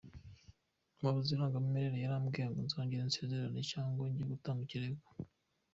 Umuyobozi w’irangamimerere yarambwiye ngo nzongere nsezerane cyangwa njye gutanga ikirego.